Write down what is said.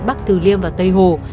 bắc từ liêm và tây hồ